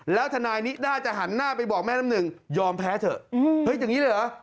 แล้วทนายนิด้าจะหันหน้าไปบอกแม่น้ำหนึ่งยอมแพ้เถอะเฮ้ยอย่างนี้เลยเหรอ